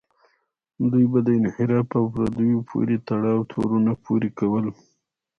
دوی به د انحراف او پردیو پورې تړاو تورونه پورې کول.